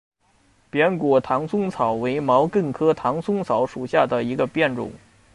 扁果唐松草为毛茛科唐松草属下的一个变种。